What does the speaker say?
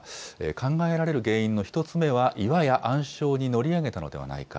考えられる原因の１つ目は、岩や暗礁に乗り上げたのではないか。